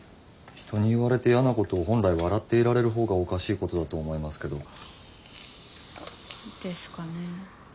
人に言われて嫌なことを本来笑っていられる方がおかしいことだと思いますけど。ですかね。